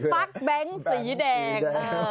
ฟักแบงก์สีแดง